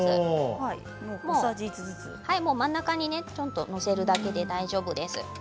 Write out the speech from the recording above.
真ん中にちょっと載せるだけで大丈夫です。